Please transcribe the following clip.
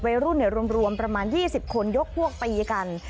เกิดวัยรุ่นเนี่ยรวมประมาณ๒๐คนยกพ่วงตีกัน